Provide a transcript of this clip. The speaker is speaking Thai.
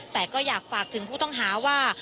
แต่ก็อยากฝากถึงผู้ต้องหาว่า